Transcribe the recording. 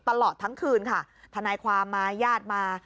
ตลอดทั้งคืนค่ะทนายความมาญาติมา